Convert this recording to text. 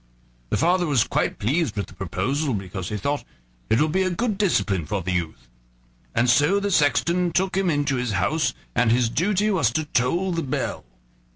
The father was quite pleased with the proposal, because he thought: "It will be a good discipline for the youth." And so the sexton took him into his house, and his duty was to toll the bell.